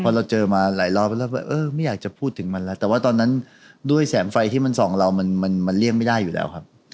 พอเราเจอมาหลายรอบแล้วว่าเออไม่อยากจะพูดถึงมันแล้วแต่ว่าตอนนั้นด้วยแสงไฟที่มันส่องเรามันเลี่ยงไม่ได้อยู่แล้วครับ